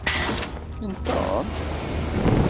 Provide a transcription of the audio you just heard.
N Tom?